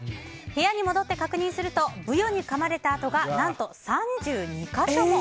部屋に戻って確認するとブヨにかまれた痕が何と３２か所も。